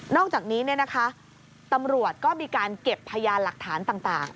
นอกจากนี้เนี่ยนะคะตำรวจก็มีการเก็บพยายามหลักฐานต่าง